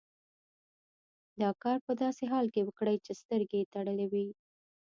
دا کار په داسې حال کې وکړئ چې سترګې یې تړلې وي.